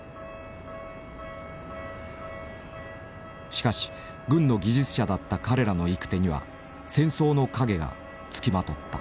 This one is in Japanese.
しかし軍の技術者だった彼らの行く手には戦争の陰が付きまとった。